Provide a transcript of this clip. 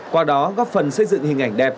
qua đó góp phần xây dựng hình ảnh đẹp